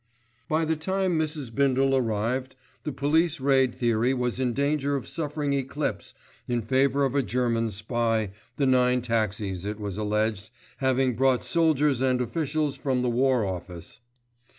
By the time Mrs. Bindle arrived, the police raid theory was in danger of suffering eclipse in favour of a German spy, the nine taxis, it was alleged, having brought soldiers and officials from the War Office.